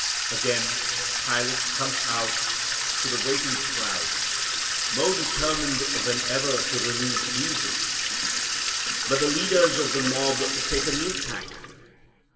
Again Pilate comes out to the waiting crowd more determined than ever to release Jesus. But the leaders of the mob take a new tack.